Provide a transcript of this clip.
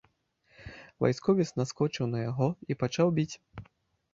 Вайсковец наскочыў на яго і пачаў біць.